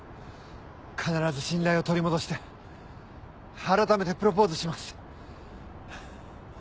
必ず信頼を取り戻して改めてプロポーズします。